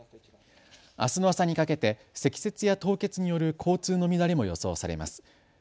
あすの朝にかけて積雪や凍結による交通の乱れも予想されます。